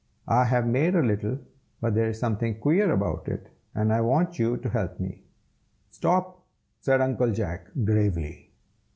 I have made a little, but there is something queer about it, and I want you to help me." "Stop!" said Uncle Jack, gravely.